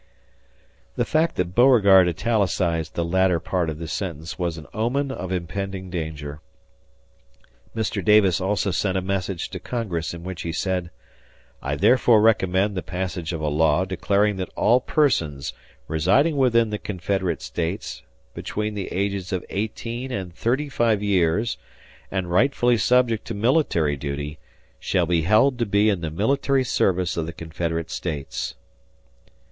The fact that Beauregard italicized the latter part of this sentence was an omen of impending danger. Mr. Davis also sent a message to Congress in which he said, "I therefore recommend the passage of a law declaring that all persons residing within the Confederate States between the ages of eighteen and thirty five years and rightfully subject to military duty shall be held to be in the military service of the Confederate States."